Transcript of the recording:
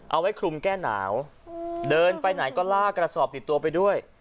เอาไว้คลุมแก้หนาวเดินไปไหนก็ลากกระสอบติดตัวไปด้วย